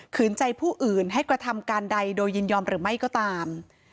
ใจผู้อื่นให้กระทำการใดโดยยินยอมหรือไม่ก็ตาม